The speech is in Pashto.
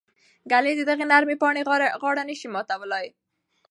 ږلۍ د دغې نرمې پاڼې غاړه نه شي ماتولی.